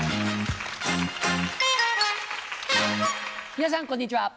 皆さんこんにちは。